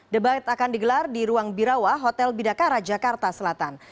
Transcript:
debat akan digelar di ruang birawa hotel bidakara jakarta selatan